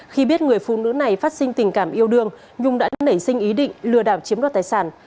khi biết người phụ nữ này phát sinh tình cảm yêu đương nhung đã nảy sinh ý định lừa đảo chiếm đoạt tài sản